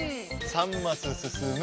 ３マスすすむ。